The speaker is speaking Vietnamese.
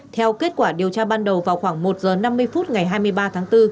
theo kết quả điều tra ban đầu vào khoảng một h năm mươi phút ngày hai mươi ba tháng bốn